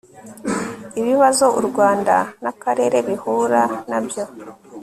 ibibazo u Rwanda n akarere bihura na byo